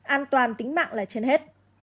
an toàn tính mạng là trên hết